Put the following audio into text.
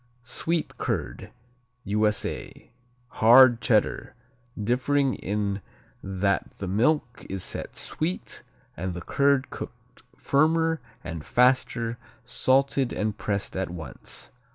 Sweet curd U.S.A. Hard Cheddar, differing in that the milk is set sweet and the curd cooked firmer and faster, salted and pressed at once.